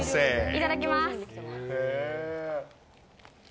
いただきます。